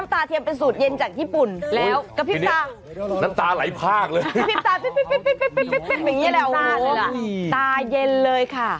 ตาเย็นเลยค่ะ